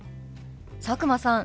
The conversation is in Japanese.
佐久間さん